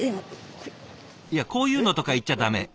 いや「こういうの」とか言っちゃ駄目。